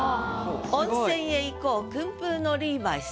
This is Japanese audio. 「温泉へ行こう薫風のリーバイス」。